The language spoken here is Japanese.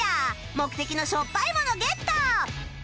目的のしょっぱいものゲット